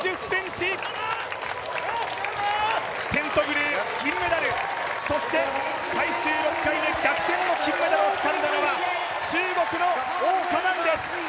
テントグル、銀メダル、そして最終６回目、金メダルをつかんだのは中国の王嘉男です。